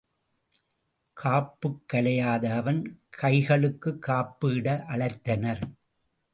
காப்புக்கலையாத அவன் கைகளுக்குக் காப்பு இட அழைத்தனர்.